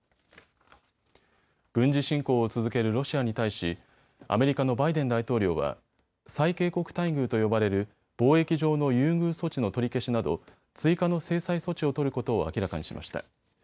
軍事侵攻を続けるロシアに対しアメリカのバイデン大統領は最恵国待遇と呼ばれる貿易上の優遇措置の取り消しなど追加の制裁措置を取ることを明らかにしました。